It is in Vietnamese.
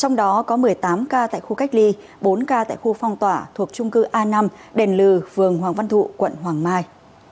trong đó có một mươi tám ca tại khu cách ly bốn ca tại khu phong tỏa thuộc trung cư a năm đền lừng hoàng văn thụ quận hoàng mai